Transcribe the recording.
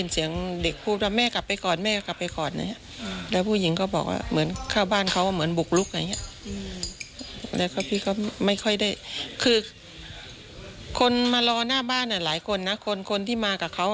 ที่เขามาเขามาพูดดีไหมพี่หมายถึงอ่าตัวแม่เด็กอ่ะค่ะ